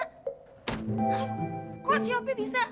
hah kok si opi bisa